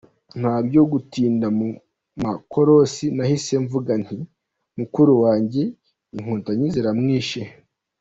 Nta byo gutinda mu makorosi nahise mvuga nti: “mukuru wanjye inkotanyi zaramwishe”.